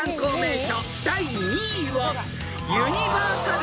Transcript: ［第２位は］